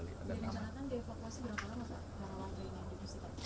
jadi di jakarta dievakuasi berapa lama pak